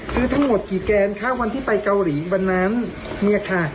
ซื้อทั้งหมดกี่แกนคะวันที่ไปเกาหลีวันนั้นเนี่ยค่ะ